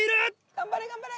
頑張れ頑張れ。